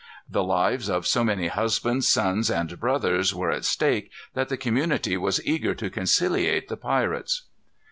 The lives of so many husbands, sons, and brothers were at stake that the community was eager to conciliate the pirates.